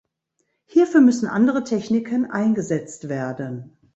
Hierfür müssen andere Techniken eingesetzt werden.